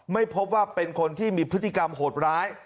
ไม่พบว่าเป็นคนที่มีพฤติกรรมโหดร้าย